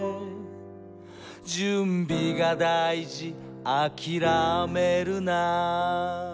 「準備がだいじあきらめるな」